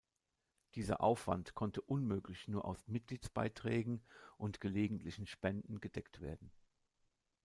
Dieser Aufwand konnte unmöglich nur aus Mitgliedsbeiträgen und gelegentlichen Spenden gedeckt werden.